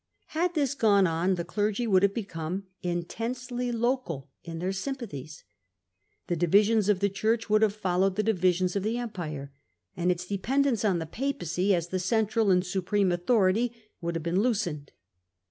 Had this gone on the clergy would have become intensely local in their sympathies ; the divisions of the Church would have followed the divi sions of the Empire, and its dependence on the Papacy, as the central and supreme authority, would have been loosened.